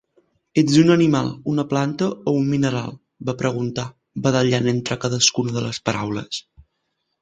"Ets un animal, una planta o un mineral"? va preguntar, badallant entre cadascuna de les paraules.